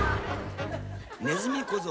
ねずみ小僧。